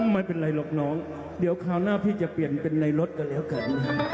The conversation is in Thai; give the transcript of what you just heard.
ไม่เป็นไรหรอกน้องเดี๋ยวคราวหน้าพี่จะเปลี่ยนเป็นในรถกันแล้วกัน